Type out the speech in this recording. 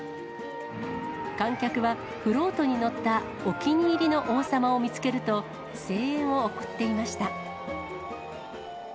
観客はフロートに乗ったお気に入りの王様を見つけると、声援を送っていました。